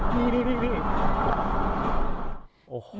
นี่ค่ะคือจุดเริ่มต้นของเรื่อง